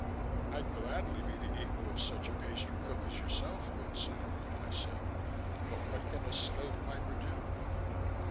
"I'd gladly be the equal of such a pastry cook as yourself, good Sime," I said. "But what can a slave piper do?"